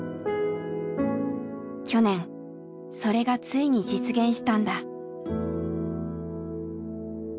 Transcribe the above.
去年それがついに実現したんだ。